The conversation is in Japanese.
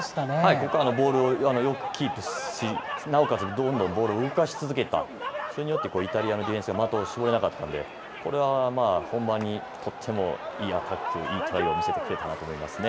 ここはボールをよくキープし、なおかつどんどんボールを動かし続けた、それによってイタリアのディフェンスは的を絞れなかったので、これは本番にとってもいいアタック、いいトライを見せてくれたな